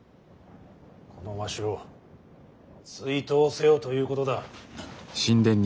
このわしを追討せよということだ。